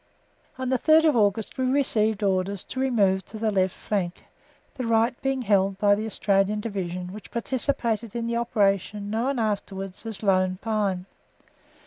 On the third of August we received orders to remove to the left flank, the right being held by the Australian Division which participated in the operation known afterwards as Lone Pine.